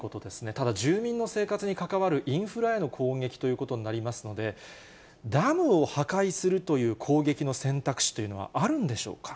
ただ住民の生活に関わるインフラへの攻撃ということになりますので、ダムを破壊する、攻撃の選択肢というのは、あるんでしょうか。